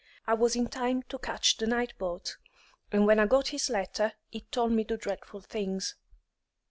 I was in time to catch the night boat, and when I got his letter it told me dreadful things.